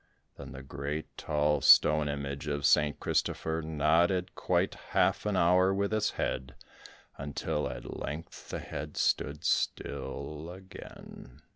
Then the great tall stone image of St. Christopher nodded quite half an hour with its head, until at length the head stood still again.